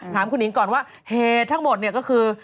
ถามคุณหญิงก่อนว่าเหตุทั้งหมดเนี่ยก็คือ